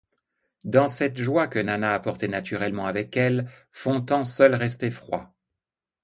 Dans cette joie que Nana apportait naturellement avec elle, Fontan seul restait froid.